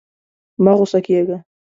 مه غوسه کېږه.